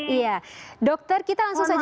iya dokter kita langsung saja